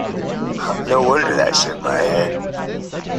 No wonder that I shook my head!